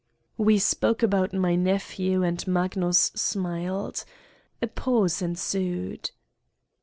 We spoke about my nephew and Magnus smiled. A pause ensued.